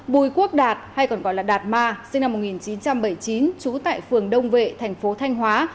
bùi quốc đạt hay còn gọi là đạt ma sinh năm một nghìn chín trăm bảy mươi chín trú tại phường đông vệ thành phố thanh hóa